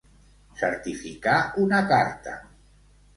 Certificar una carta.